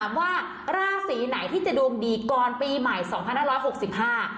ว่าราศีไหนที่จะดวงดีก่อนปีใหม่สองพันห้าร้อยหกสิบห้า